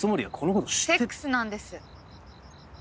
セックスなんです。